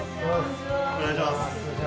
お願いします。